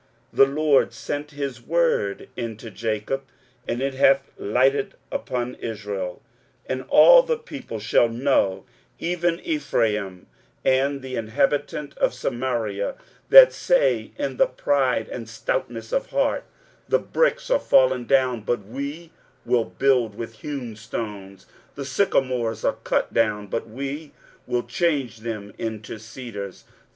23:009:008 The Lord sent a word into Jacob, and it hath lighted upon Israel. 23:009:009 And all the people shall know, even Ephraim and the inhabitant of Samaria, that say in the pride and stoutness of heart, 23:009:010 The bricks are fallen down, but we will build with hewn stones: the sycomores are cut down, but we will change them into cedars.